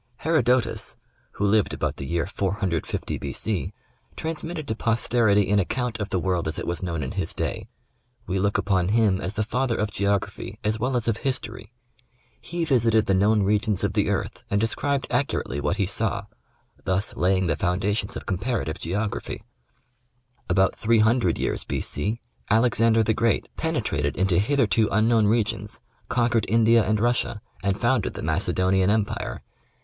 Herodotus, who lived about the year 450 B. C, transmitted to posterity an account of the world as it was known in his day. We look upon him as the father of geography as well as of history. He visited the known regions of the earth, and de scribed accurately what he saw, thus laying the fouiidations of comparative geography. About 300 years B. C, Alexander the Great penetrated into hitherto unknown regions, conquered India and Russia, and founded the Macedonian Empire.